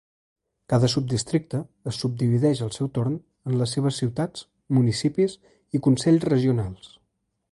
Cada subdistricte es subdivideix al seu torn en les seves ciutats, municipis i consells regionals.